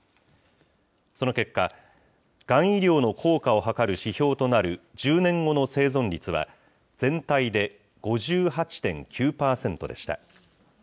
その結果、がん医療の効果をはかる指標となる１０年後の生存率は、全体で５８．９％でした。